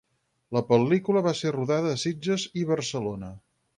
La pel·lícula va ser rodada a Sitges i Barcelona.